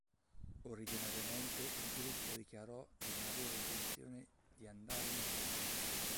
Originariamente il gruppo dichiarò di non avere intenzione di andare in tour.